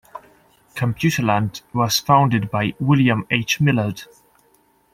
ComputerLand was founded by William H Millard.